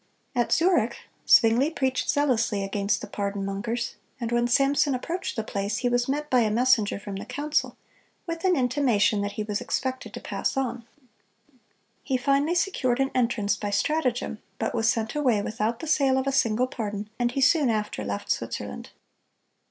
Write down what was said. At Zurich, Zwingle preached zealously against the pardon mongers; and when Samson approached the place, he was met by a messenger from the council, with an intimation that he was expected to pass on. He finally secured an entrance by stratagem, but was sent away without the sale of a single pardon, and he soon after left Switzerland.